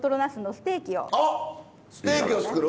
ステーキを作る。